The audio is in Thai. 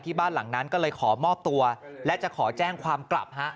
บ้านหลังนั้นก็เลยขอมอบตัวและจะขอแจ้งความกลับฮะ